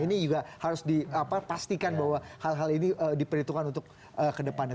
ini juga harus dipastikan bahwa hal hal ini diperhitungkan untuk kedepannya